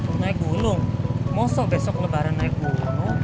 mau naik gulung masa besok lebaran naik gulung